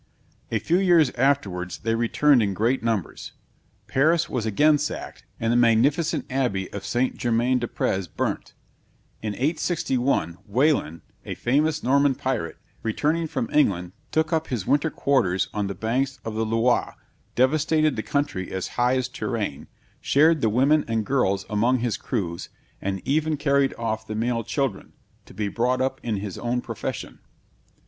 A few years afterwards, they returned in great numbers. Paris was again sacked, and the magnificent abbey of St. Germain des Prés burnt. In 861, Wailand, a famous Norman pirate, returning from England, took up his winter quarters on the banks of the Loire, devastated the country as high as Tourraine, shared the women and girls among his crews, and even carried off the male children, to be brought up in his own profession.